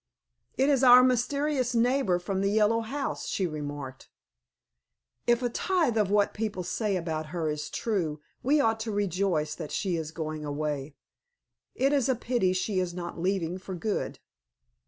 "It is our mysterious neighbor from the Yellow House," she remarked. "If a tithe of what people say about her is true we ought to rejoice that she is going away. It is a pity she is not leaving for good."